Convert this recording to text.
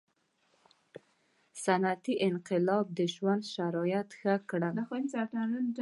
• صنعتي انقلاب د ژوند شرایط ښه کړل.